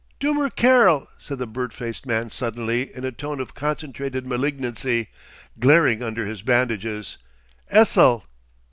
"Dummer Kerl!" said the bird faced man suddenly in a tone of concentrated malignancy, glaring under his bandages. "Esel!"